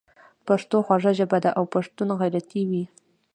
پښتو خوږه ژبه ده او پښتون غیرتي وي.